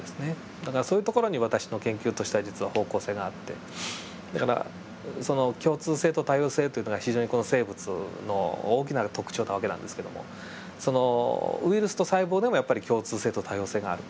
だからそういうところに私の研究としては実は方向性があってだからその共通性と多様性というのが非常に生物の大きな特徴な訳なんですけどもそのウイルスと細胞でもやっぱり共通性と多様性がある。